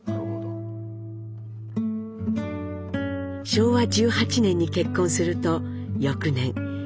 昭和１８年に結婚すると翌年長女が誕生。